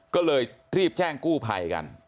ก็เลยรีบแจ้งกู้ภัยกัน